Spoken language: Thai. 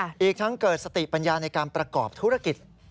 อีกทั้งเกิดสติปัญญาในการประกอบธุรกิจ